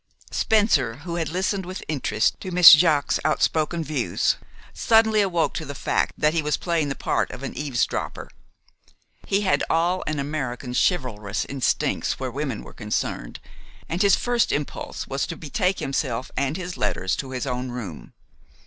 Spencer, who had listened with interest to Miss Jaques's outspoken views, suddenly awoke to the fact that he was playing the part of an eavesdropper. He had all an American's chivalrous instincts where women were concerned, and his first impulse was to betake himself and his letters to his own room.